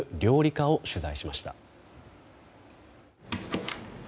家を取材しました。